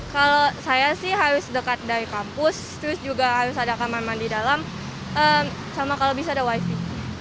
kalau saya sih harus dekat dari kampus terus juga harus ada kamar mandi dalam sama kalau bisa ada wifi